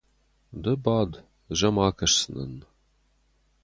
Ды бад, ӕз ӕм акӕсдзынӕн.